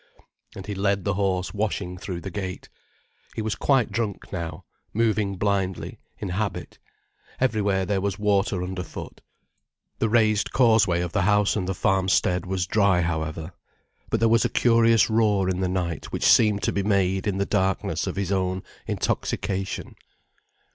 And he led the horse washing through the gate. He was quite drunk now, moving blindly, in habit. Everywhere there was water underfoot. The raised causeway of the house and the farm stead was dry, however. But there was a curious roar in the night which seemed to be made in the darkness of his own intoxication.